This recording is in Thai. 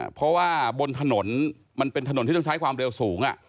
เพราะว่าบนถนนมันเป็นถนนที่ต้องใช้ความเร็วสูง